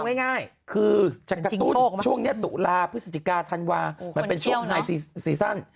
เอาง่ายคือจะกระตุ้นช่วงนี้ตุลาพฤศจิกาธันวามันเป็นช่วงไฮซีซั่น